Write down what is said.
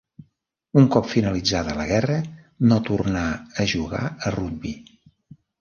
Un cop finalitzada la guerra no tornà a jugar a rugbi.